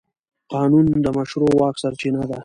قانون د مشروع واک سرچینه ده.